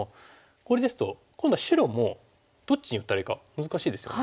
これですと今度は白もどっちに打たれるか難しいですよね。